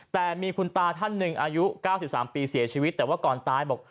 แต่มีคุณตาท่านหนึ่งอายุ๙๓ปีเสียชีวิตแต่ว่าก่อนตายบอก